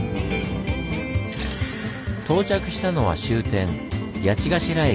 到着したのは終点谷地頭駅。